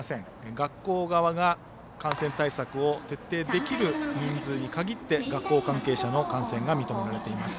学校側が感染対策を徹底できる人数に限って、学校関係者の観戦が認められています。